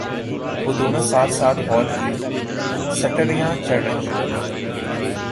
وہ دونوں ساتھ ساتھ ہال کی سٹر ھیاں چڑھ رہی تھیں